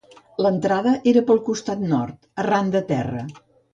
L'entrada era pel costat nord, arran de terra.